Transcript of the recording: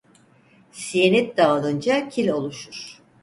Siyenit dağılınca kil oluşur.